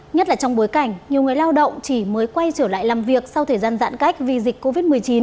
nhất là trong bối cảnh nhiều người lao động chỉ mới quay trở lại làm việc sau thời gian giãn cách vì dịch covid một mươi chín